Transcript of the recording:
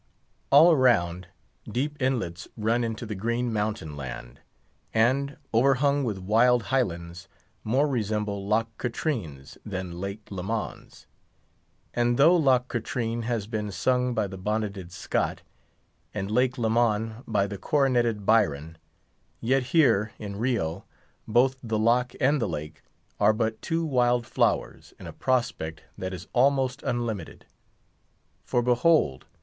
All round, deep inlets run into the green mountain land, and, overhung with wild Highlands, more resemble Loch Katrines than Lake Lemans. And though Loch Katrine has been sung by the bonneted Scott, and Lake Leman by the coroneted Byron; yet here, in Rio, both the loch and the lake are but two wild flowers in a prospect that is almost unlimited. For, behold!